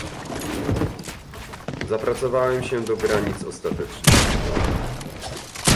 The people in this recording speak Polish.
"Zapracowałem się do granic ostatecznych."